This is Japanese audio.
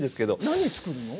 何作るの？